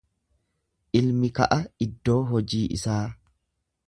Ilmi ka'a iddoo hojii isaa.